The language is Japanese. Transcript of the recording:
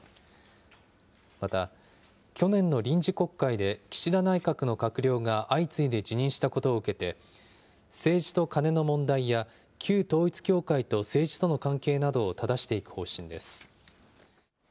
また、去年の臨時国会で、岸田内閣の閣僚が相次いで辞任したことを受けて、政治とカネの問題や旧統一教会と政治との関係などをただしていく方針です。